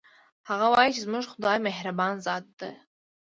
هغه وایي چې زموږ خدایمهربان ذات ده